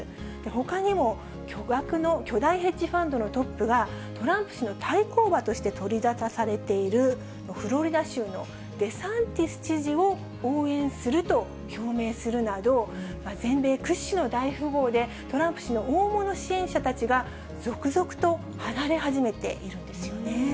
ほかにも、巨額の、巨大ヘッジファンドのトップが、トランプ氏の対抗馬として取りざたされているフロリダ州のデサンティス知事を応援すると表明するなど、全米屈指の大富豪で、トランプ氏の大物支援者たちが続々と離れ始めているんですよね。